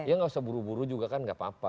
ya nggak usah buru buru juga kan nggak apa apa